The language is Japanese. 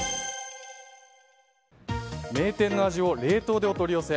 名店の味を冷凍でお取り寄せ。